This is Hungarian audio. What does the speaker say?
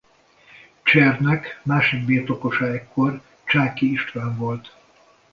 Csernek másik birtokosa ekkor Csáky István volt.